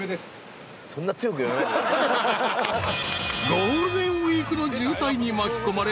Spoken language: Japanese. ［ゴールデンウイークの渋滞に巻き込まれ